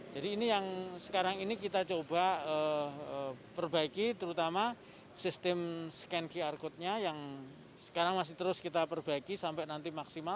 jadi ini yang sekarang ini kita coba perbaiki terutama sistem scan qr code nya yang sekarang masih terus kita perbaiki sampai nanti maksimal